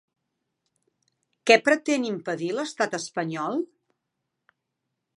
Què pretén impedir l'estat espanyol?